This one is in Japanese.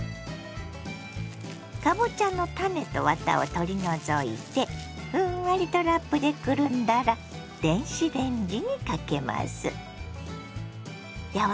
かぼちゃの種とワタを取り除いてふんわりとラップでくるんだら電子レンジにかけます。